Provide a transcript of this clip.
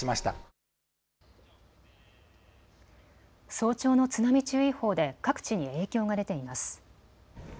早朝の津波注意報で各地に影響が出ています。